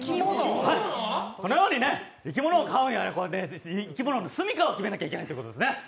このように生き物を飼うには生き物のすみかを決めなきゃいけないってことですね。